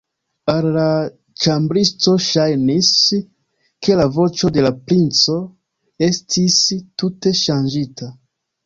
Al la ĉambristo ŝajnis, ke la voĉo de la princo estis tute ŝanĝita.